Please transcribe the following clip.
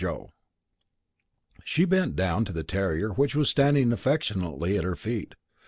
Joe_." She bent down to the terrier which was standing affectionately at her feet.